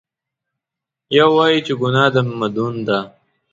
یو وایي چې ګناه د مدون ده.